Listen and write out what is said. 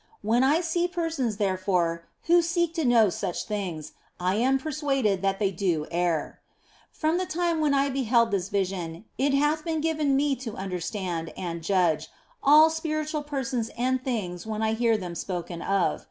When I see persons, therefore, who seek to know such things, I am persuaded that they do err. From the time when I beheld this vision it hath been given me to understand and judge all spiritual persons and things when I hear them spoken of.